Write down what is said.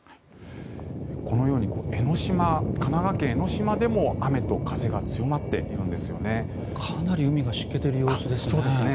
このように神奈川県・江の島でも雨と風が強まっているんですよね。